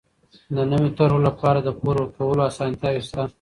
د نويو طرحو لپاره د پور ورکولو اسانتیاوې شته.